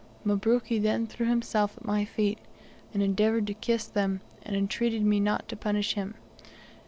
Mabruki then threw himself at my feet, and endeavoured to kiss them and entreated me not to punish him.